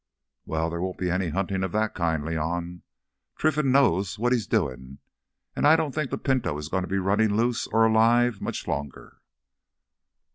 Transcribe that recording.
"Well, there won't be any huntin' of that kind, León. Trinfan knows what he's doin', and I don't think that pinto is goin' to be runnin' loose—or alive—much longer."